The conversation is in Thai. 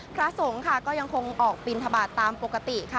พระสงฆ์ก็ยังคงออกปริณฑบาตตามปกติ